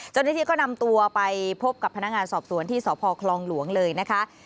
เจ้าหน้าที่ก็นำตัวไปพบกับพนักงานสอบสวนที่สพคลองหลวงเลยนะคะ